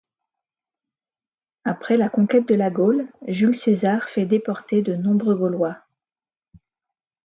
Après la conquête de la Gaule, Jules César fait déporter de nombreux Gaulois.